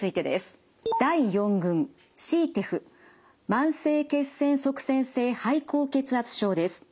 慢性血栓塞栓性肺高血圧症です。